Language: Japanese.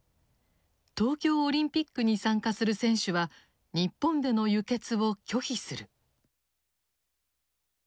「東京オリンピックに参加する選手は日本での輸血を拒否する」。